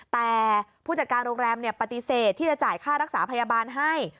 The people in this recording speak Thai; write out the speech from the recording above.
แต่ผู้จัดการโรงแรมปฏิเสธที่จะจ่ายค่ารักษาพยาบาลให้